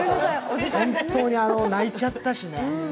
本当に泣いちゃったしね。